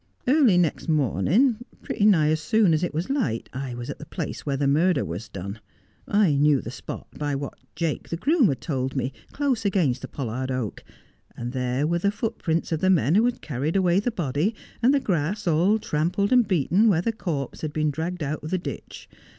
Early uext morning, pretty nigh as soon as it was light, I was at the place where the murder was done — I knew the spot by what Jake, the groom, had told me, close against the pollard oak — and there were the footprints of the men who had carried away the body, and the grass all trampled and beaten where the corpse had been dragged out of the ditch.